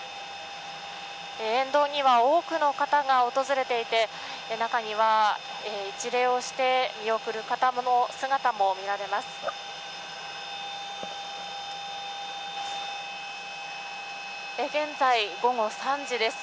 沿道には多くの方が訪れていて中には一礼をして見送る方の姿も見られます。